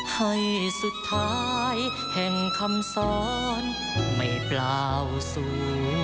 ให้สุดท้ายแห่งคำสอนไม่เปล่าสวย